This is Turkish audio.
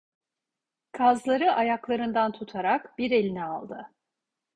Kazları ayaklarından tutarak bir eline aldı.